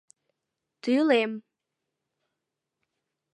Тӱлем.